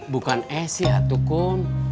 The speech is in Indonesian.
bukan esy ya tukum